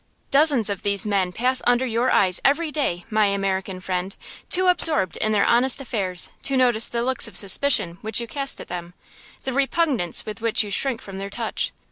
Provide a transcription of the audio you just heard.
Dozens of these men pass under your eyes every day, my American friend, too absorbed in their honest affairs to notice the looks of suspicion which you cast at them, the repugnance with which you shrink from their touch.